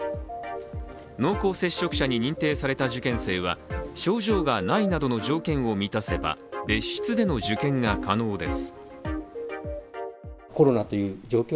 濃厚接触者に認定された受験生は症状がないなどの条件を満たせば別室での受験が可能です。